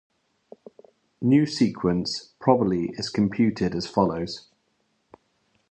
New sequence probability is computed as follows.